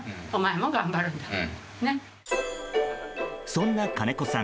そんな金子さん